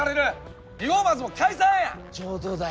上等だよ。